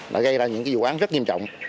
đã gây ra những vụ án rất nghiêm trọng